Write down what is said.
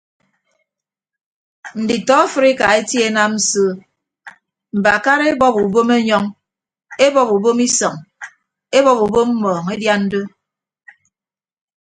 Nditọ afrika etie enam so mbakara ebọp ubom enyọñ ebọp ubom isọñ ebọp ubom mmọọñ edian do.